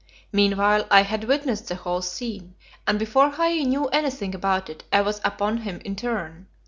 Meanwhile I had witnessed the whole scene, and before Hai knew anything about it, I was upon him in turn.